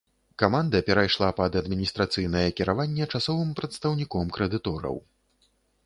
Каманда перайшла пад адміністрацыйнае кіраванне часовым прадстаўніком крэдытораў.